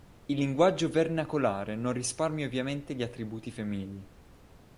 Il linguaggio vernacolare non risparmia ovviamente gli attributi femminili.